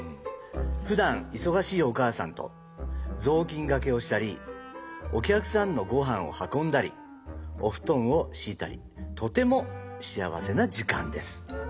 ふだんいそがしいおかあさんとぞうきんがけをしたりおきゃくさんのごはんをはこんだりおふとんをしいたりとてもしあわせなじかんです」。